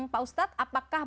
pak ustadz apakah